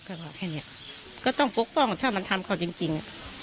ก็บอกแค่เนี้ยก็ต้องปกป้องถ้ามันทำเขาจริงจริง